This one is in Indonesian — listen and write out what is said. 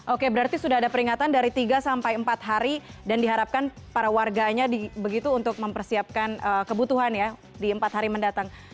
oke berarti sudah ada peringatan dari tiga sampai empat hari dan diharapkan para warganya begitu untuk mempersiapkan kebutuhan ya di empat hari mendatang